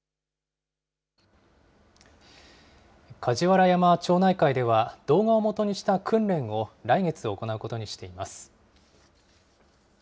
梶原山町内会では、動画をもとにした訓練を来月行うことにしています。